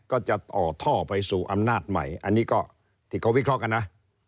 ก็จะต่อท่อไปสู่อำนาจใหม่อันนี้ก็ที่เขาวิเคราะห์กันนะ